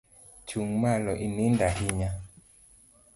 Chung malo , inindo ahinya